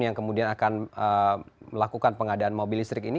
yang kemudian akan melakukan pengadaan mobil listrik ini